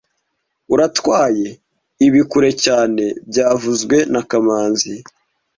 Uratwaye ibi kure cyane byavuzwe na kamanzi